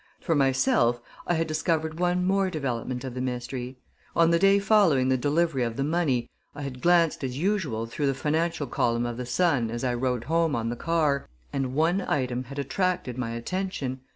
For myself, I had discovered one more development of the mystery. On the day following the delivery of the money, I had glanced, as usual, through the financial column of the Sun as I rode home on the car, and one item had attracted my attention.